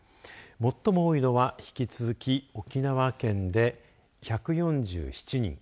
最も多いのは、引き続き沖縄県で１４７人